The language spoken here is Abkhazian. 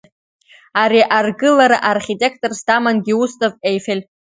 Ари аргылара архитекторс даман Гиустав Еифель.